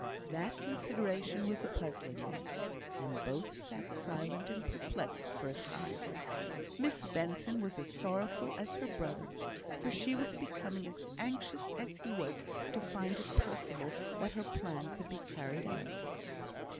That consideration was a puzzling one; and both sat silent and perplexed for a time. Miss Benson was as sorrowful as her brother, for she was becoming as anxious as he was to find it possible that her plan could be carried out.